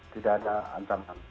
tidak ada ancaman